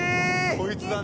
こいつだね。